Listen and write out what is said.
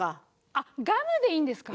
あっガムでいいんですか？